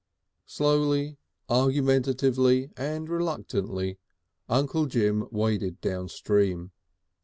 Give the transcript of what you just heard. Slowly, argumentatively, and reluctantly, Uncle Jim waded down stream.